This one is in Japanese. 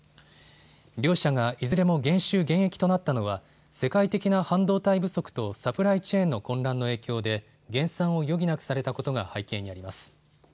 両社がいずれも減収減益となったのは世界的な半導体不足とサプライチェーンの混乱の影響で減産を余儀なくされたことが背景にあります。